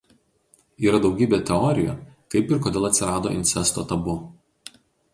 Yra daugybė teorijų kaip ir kodėl atsirado incesto tabu.